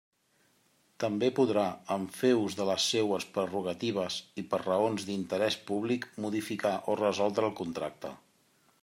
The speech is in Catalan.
També podrà, en fer ús de les seues prerrogatives i per raons d'interés públic, modificar o resoldre el contracte.